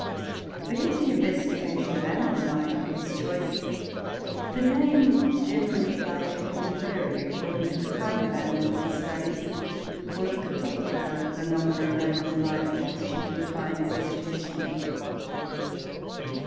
But if the investigation of animal life be his choice, the name generally applied to him will vary according to the kind of animals he studies, or the particular phenomena of animal life to which he confines his attention.